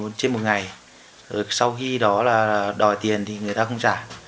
trên một ngày sau khi đó là đòi tiền thì người ta không trả